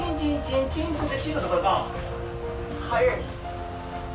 はい。